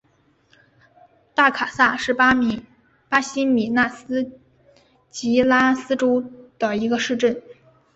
大卡萨是巴西米纳斯吉拉斯州的一个市镇。